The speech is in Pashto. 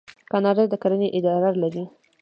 کاناډا د کرنې اداره لري.